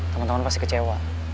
temen temen pasti kecewa